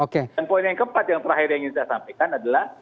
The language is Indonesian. dan poin yang keempat yang terakhir yang ingin saya sampaikan adalah